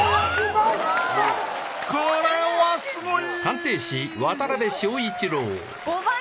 これはすごい！